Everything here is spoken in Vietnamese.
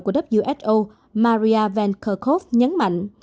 đồng bằng đầu của who maria van kerkhove nhấn mạnh